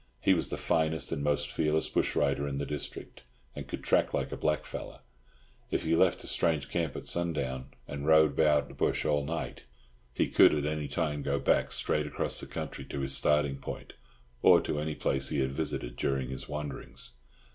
He was the finest and most fearless bush rider in the district, and could track like a black fellow. If he left a strange camp at sundown, and rode about the bush all night, he could at any time go back straight across country to his starting point, or to any place he had visited during his wanderings.